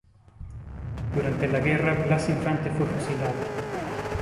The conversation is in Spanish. Durante la guerra Blas Infante fue fusilado.